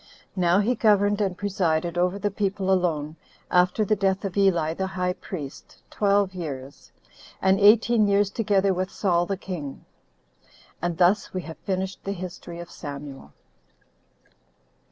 Now he governed and presided over the people alone, after the death of Eli the high priest, twelve years, and eighteen years together with Saul the king. And thus we have finished the history of Samuel.